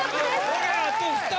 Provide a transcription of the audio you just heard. これあと２人？